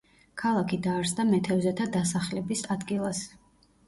ქალაქი დაარსდა მეთევზეთა დასახლების ადგილას.